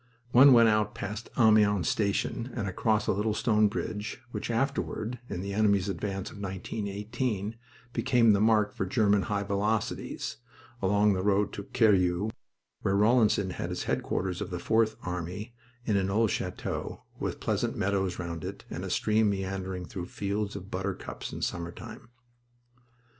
One went out past Amiens station and across a little stone bridge which afterward, in the enemy's advance of 1918, became the mark for German high velocities along the road to Querrieux, where Rawlinson had his headquarters of the Fourth Army in an old chateau with pleasant meadows round it and a stream meandering through fields of buttercups in summer time.